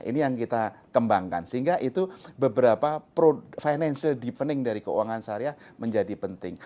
ini yang kita kembangkan sehingga itu beberapa financial deepening dari keuangan syariah menjadi penting